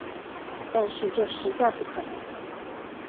但是这实在不可能